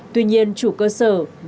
tuy nhiên chủ cơ sở vẫn